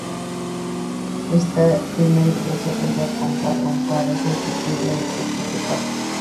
Esta primera iglesia fue construida con paredes de piedra y techo de paja.